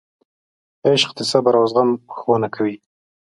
عشق د صبر او زغم ښوونه کوي.